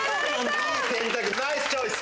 いい選択ナイスチョイス。